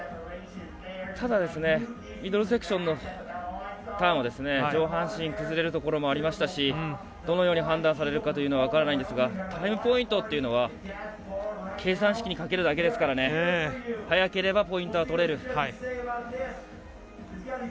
ただ、ミドルセクションのターン上半身崩れるところもありましたしどのように判断されるかというのは分からないんですがタイムポイントというのは計算式にかけるだけですから速ければポイントは取れる。